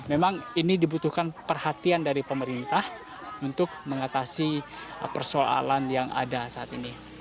memang ini dibutuhkan perhatian dari pemerintah untuk mengatasi persoalan yang ada saat ini